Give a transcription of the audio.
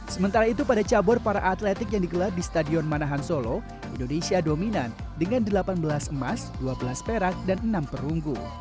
sementara itu pada cabur para atletik yang digelar di stadion manahan solo indonesia dominan dengan delapan belas emas dua belas perak dan enam perunggu